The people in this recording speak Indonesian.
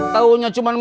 taunya cuma bintang